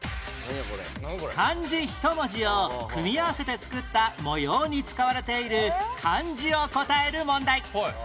漢字１文字を組み合わせて作った模様に使われている漢字を答える問題